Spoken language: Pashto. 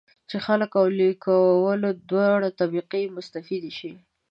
چې خلک او لیکوال دواړه طبقې مستفیدې شي.